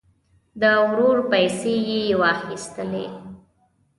د ورور پیسې یې واخیستلې.